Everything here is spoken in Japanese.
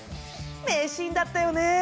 名シーンだったよね。